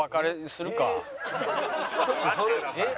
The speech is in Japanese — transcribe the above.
ちょっとそれえっ？